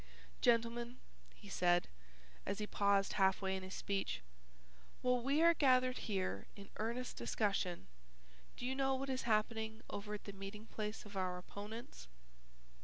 "Gentlemen," he said, as he paused half way in his speech, "while we are gathered here in earnest discussion, do you know what is happening over at the meeting place of our opponents?